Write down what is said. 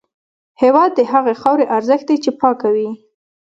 هېواد د هغې خاورې ارزښت دی چې پاکه وي.